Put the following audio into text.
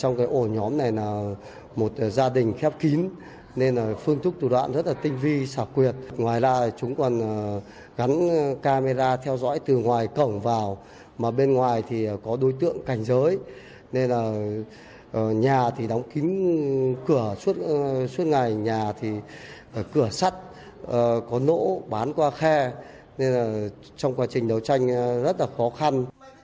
ổ nhóm này là một gia đình khép kín nên phương thức tù đoạn rất tinh vi sạc quyệt ngoài ra chúng còn gắn camera theo dõi từ ngoài cổng vào mà bên ngoài thì có đối tượng cảnh giới nên là nhà thì đóng kín cửa suốt ngày nhà thì cửa sắt có nỗ bán qua khe nên là trong quá trình đấu tranh rất là khó khăn